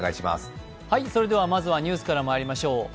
まずはニュースからまいりましょう。